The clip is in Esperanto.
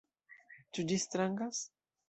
Ĉu ĝi strangas?